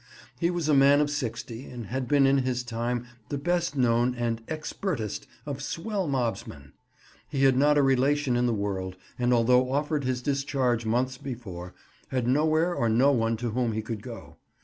He was a man of sixty, and had been in his time the best known and expertest of swell mobsmen. He had not a relation in the world, and although offered his discharge months before, had nowhere or no one to whom he could go.